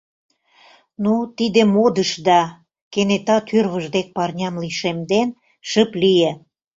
— Ну, тиде модыш да... — кенета тӱрвыж дек парням лишемден, шып лие.